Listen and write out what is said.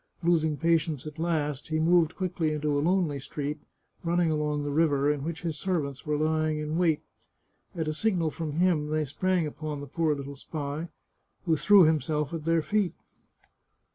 Losing patience at last, he moved quickly into a lonely street, running along the river, in which his servants were lying in wait. At a signal from him they sprang upon the poor little spy, who threw himself at their feet.